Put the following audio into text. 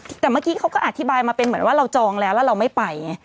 แต่เมื่อกี้เขาก็อธิบายมาเป็นเหมือนว่าเราจองแล้วแล้วเราไม่ไปไง